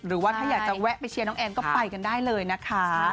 หรือว่าถ้าอยากจะแวะไปเชียร์น้องแอนก็ไปกันได้เลยนะคะ